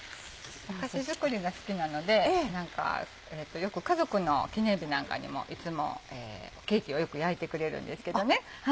お菓子作りが好きなのでよく家族の記念日なんかにもいつもケーキをよく焼いてくれるんですけどね。